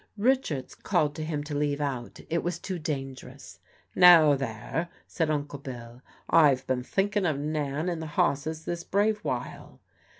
Richards called to him to leave out, it was too dangerous. "Now there," said Uncle Bill, "I've been thinkin' of Nan and the hosses this brave while!"